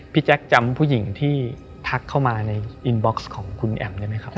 แจ๊คจำผู้หญิงที่ทักเข้ามาในอินบ็อกซ์ของคุณแอมได้ไหมครับ